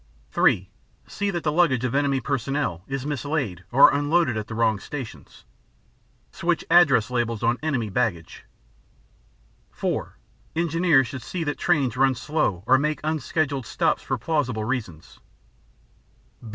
(3) See that the luggage of enemy personnel is mislaid or unloaded at the wrong stations. Switch address labels on enemy baggage. (4) Engineers should see that trains run slow or make unscheduled stops for plausible reasons.